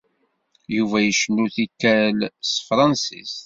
Yuba icennu tikkal s tefṛensist.